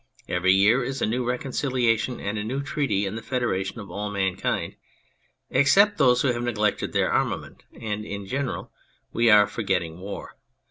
Every year is a new reconciliation, and a new treaty in the federation of all mankind except those who have neglected their armament, and in general we are forgetting war.